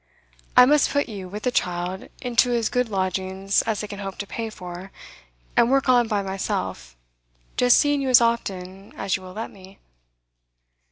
I must put you, with the child, into as good lodgings as I can hope to pay for, and work on by myself, just seeing you as often as you will let me.